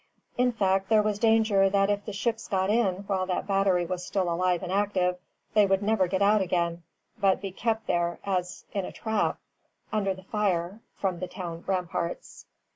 In fact, there was danger that if the ships got in while that battery was still alive and active, they would never get out again, but be kept there as in a trap, under the fire from the town ramparts.